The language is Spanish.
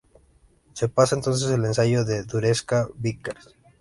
Se pasa entonces al ensayo de dureza Vickers.